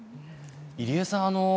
入江さん